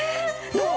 どう？